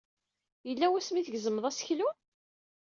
Yella wasmi ay tgezmeḍ aseklu?